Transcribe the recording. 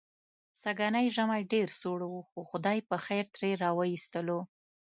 سږنی ژمی ډېر سوړ و، خو خدای پخېر ترې را و ایستلو.